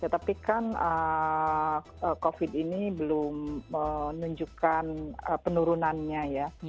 tapi kan covid ini belum menunjukkan penurunannya ya